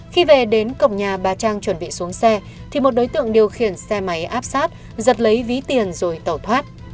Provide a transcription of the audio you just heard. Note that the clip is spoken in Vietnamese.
khi về đến cổng nhà bà trang chuẩn bị xuống xe thì một đối tượng điều khiển xe máy áp sát giật lấy ví tiền rồi tẩu thoát